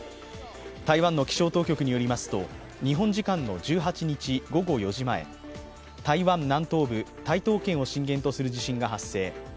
台湾の気象当局によりますと、日本時間の１８日午後４時前、台湾南東部台東県を震源とする地震が発生。